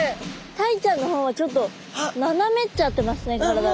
タイちゃんの方はちょっとななめっちゃってますね体が。